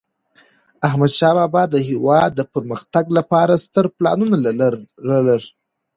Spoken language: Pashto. احمدشاه بابا د هیواد د پرمختګ لپاره ستر پلانونه لرل.